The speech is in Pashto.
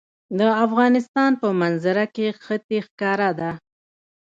د افغانستان په منظره کې ښتې ښکاره ده.